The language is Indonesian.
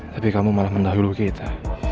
tapi kamu malah mendahului kita